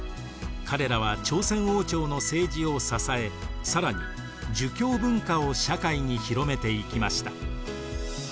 彼らは朝鮮王朝の政治を支え更に儒教文化を社会に広めていきました。